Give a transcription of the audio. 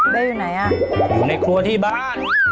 ได้อยู่ไหนอ่ะอยู่ในครัวที่บ้าน